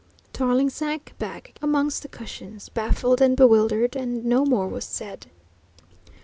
Tarling sank back amongst the cushions, baffled and bewildered, and no more was said.